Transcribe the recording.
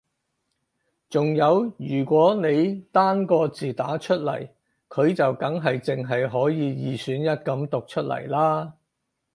仲有如果你單個字打出嚟佢就梗係淨係可以二選一噉讀出嚟啦